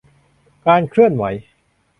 การเคลื่อนไหว